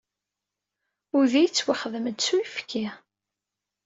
Udi yettwaxdam-d s uyefki.